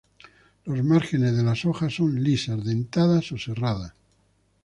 Los márgenes de las hojas son lisas, dentadas o serradas.